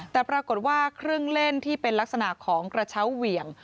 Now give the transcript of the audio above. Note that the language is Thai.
แต่ปรากฏว่าเครื่องเล่นที่เป็นลักษณะของกระเช้าเหวี่ยง